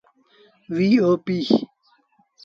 وي او پيٚ۔